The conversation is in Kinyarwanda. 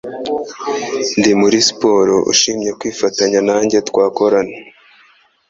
Ndi muri siporo ushimye kwifatanya nanjye twakorana